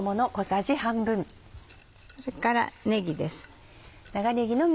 それからねぎです。